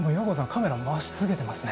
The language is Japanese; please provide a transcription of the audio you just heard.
カメラ回し続けてますね。